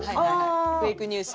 フェイクニュース。